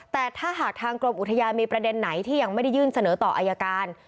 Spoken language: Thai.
แต่ถ้าหากทางกรมอุทยานมีประเด็นไหนที่ยังไม่ได้ยื่นเสนอต่ออายการ